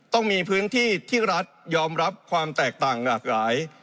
ต้องมีพื้นที่ที่รัฐยอมรับความแตกต่างหลากหลาย